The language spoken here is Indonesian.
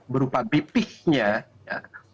berupa bp nya ya